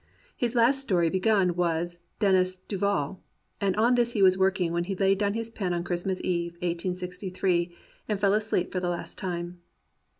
His last story begun was Denis Duval, and on this he was working when he laid down his pen on Christmas Eve, 1863, and fell asleep for the last time.